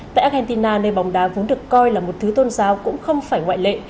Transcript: tại argentina nơi bóng đá vốn được coi là một thứ tôn giáo cũng không phải ngoại lệ